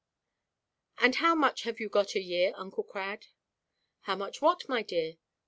And how much have you got a year, Uncle Crad?" "How much what, my dear?